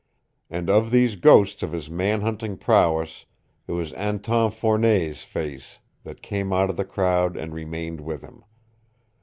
And of these ghosts of his man hunting prowess it was Anton Fournet's face that came out of the crowd and remained with him.